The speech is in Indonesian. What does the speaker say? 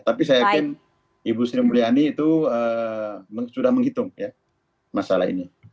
tapi saya yakin ibu sri mulyani itu sudah menghitung masalah ini